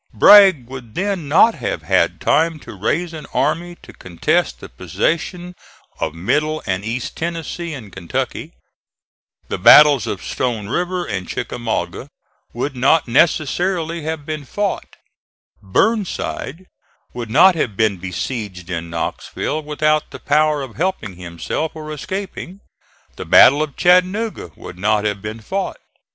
Bragg would then not have had time to raise an army to contest the possession of middle and east Tennessee and Kentucky; the battles of Stone River and Chickamauga would not necessarily have been fought; Burnside would not have been besieged in Knoxville without the power of helping himself or escaping; the battle of Chattanooga would not have been fought.